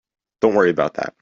Don't worry about that.